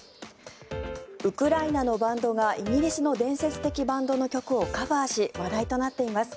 ウクライナのバンドがイギリスの伝説的バンドの曲をカバーし話題となっています。